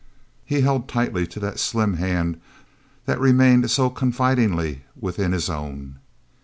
He held tightly to that slim hand that remained so confidingly within his own.